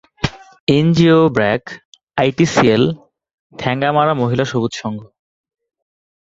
NGO BRAC, ITCL, Thengamara মহিলা সবুজ সংঘ।